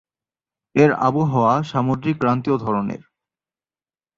এর আবহাওয়া সামুদ্রিক ক্রান্তীয় ধরনের।